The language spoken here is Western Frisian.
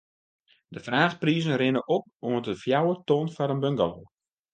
De fraachprizen rinne op oant de fjouwer ton foar in bungalow.